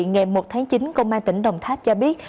ngày một tháng chín công an tỉnh đồng tháp cho biết